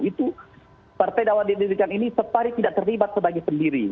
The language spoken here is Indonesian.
itu partai dakwah didirikan ini separi tidak terlibat sebagai sendiri